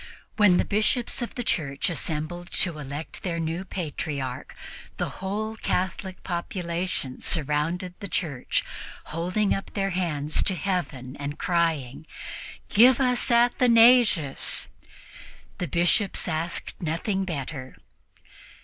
When the Bishops of the Church assembled to elect their new Patriarch, the whole Catholic population surrounded the church, holding up their hands to Heaven and crying, "Give us Athanasius!" The Bishops asked nothing better.